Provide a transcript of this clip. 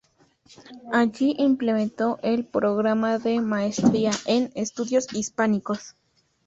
Allí, implementó el programa de Maestría en Estudios Hispánicos.